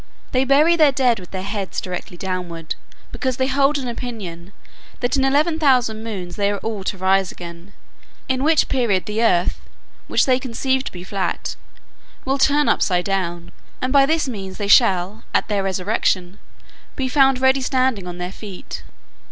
They bury their dead with their heads directly downward, because they hold an opinion, that in eleven thousand moons they are all to rise again; in which period the earth (which they conceive to be flat) will turn upside down, and by this means they shall, at their resurrection, be found ready standing on their feet.